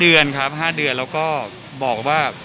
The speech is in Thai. เดือนครับ๕เดือนแล้วก็บอกว่า